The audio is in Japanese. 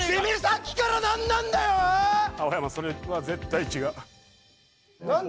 青山それは絶対違う。